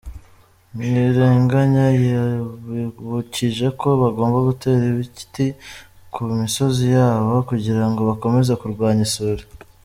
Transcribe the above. Ntirenganya yabibukije ko bagomba gutera ibiti ku misozi yabo kugira ngo bakomeze kurwanya isuri.